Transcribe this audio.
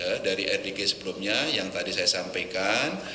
ya dari rdk sebelumnya yang tadi saya sampaikan